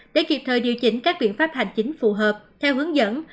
để kịp thời điều chỉnh các biện pháp hành chính phù hợp theo hướng dẫn